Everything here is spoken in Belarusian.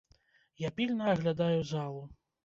Я пільна аглядаю залу.